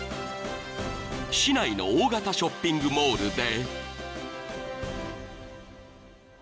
［市内の大型ショッピングモールで］